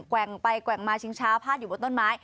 แว่งไปแกว่งมาชิงช้าพาดอยู่บนต้นไม้